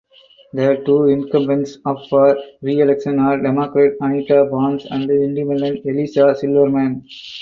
The two incumbents up for reelection are Democrat Anita Bonds and independent Elissa Silverman.